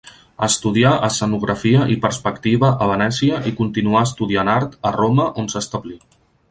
Estudià escenografia i perspectiva a Venècia i continuà estudiant art a Roma, on s'establí.